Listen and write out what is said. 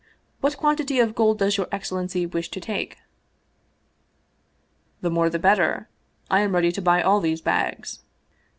What quantity of gold does your excellency wish to take ?"" The more the better. I am ready to buy all these bags."